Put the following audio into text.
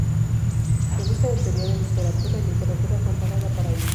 Revista de Teoría de la Literatura y Literatura Comparada, Paraíso.